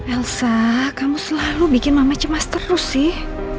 elsa kamu selalu bikin mama cemas terus sih